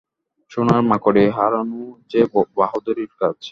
সোনার মাকড়ি হারানো যেন বাহাদুরির কাজ।